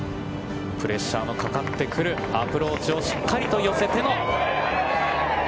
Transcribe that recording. プレッシャーのかかってくるアプローチをしっかりと寄せての。